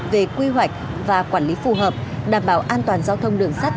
về quy hoạch và quản lý phù hợp đảm bảo an toàn giao thông đường sắt